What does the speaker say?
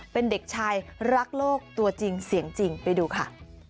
เป็นเด็กชายรักโลกตัวจริงเสียงจริงไปดูค่ะ